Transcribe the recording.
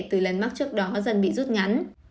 từ lần mắc trước đó dần bị rút ngắn